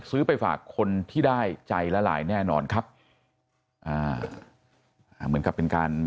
ไปฝากคนที่ได้ใจละลายแน่นอนครับอ่าอ่าเหมือนกับเป็นการ